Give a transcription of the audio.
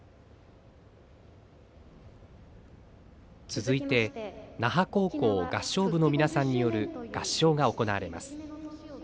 続いて那覇高校合唱部の皆さんによる合唱が行われます。